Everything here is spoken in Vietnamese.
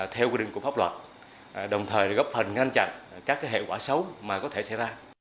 theo quy định của pháp luật đồng thời góp phần ngăn chặn các hệ quả xấu mà có thể xảy ra